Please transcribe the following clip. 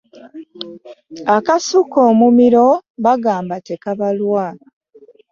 Akasukka omumiro bagamba tekabalwa.